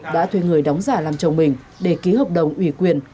đã thuê người đóng giả làm chồng mình để ký hợp đồng ủy quyền